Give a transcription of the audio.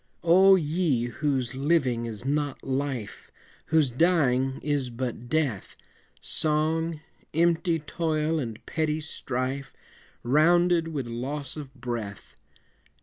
O ye whose living is not Life, Whose dying is but death, Song, empty toil and petty strife, Rounded with loss of breath!